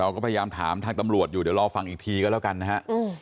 พยายามถามทางตำรวจอยู่เดี๋ยวรอฟังอีกทีก็แล้วกันนะฮะ